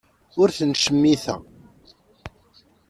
Ur ten-ttcemmiteɣ.